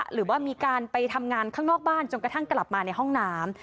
หรือว่ามีการไปทำงานข้างนอกบ้านจนกระทั่งกลับมาในห้องน้ำ